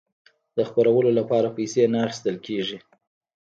د خپرولو لپاره پیسې نه اخیستل کیږي.